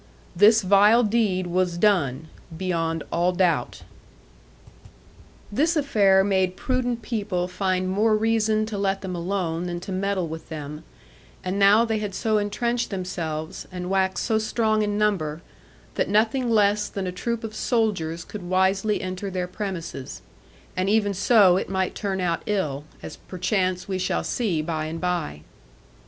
* *This vile deed was done, beyond all doubt. This affair made prudent people find more reason to let them alone than to meddle with them; and now they had so entrenched themselves, and waxed so strong in number, that nothing less than a troop of soldiers could wisely enter their premises; and even so it might turn out ill, as perchance we shall see by and by.